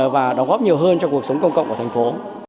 và đóng góp nhiều hơn cho cuộc sống công cộng của thành phố